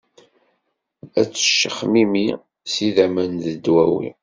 Ad teccexmimi s yidammen d dwawi.